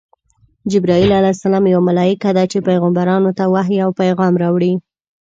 جبراییل ع یوه ملایکه ده چی پیغمبرانو ته وحی او پیغام راوړي.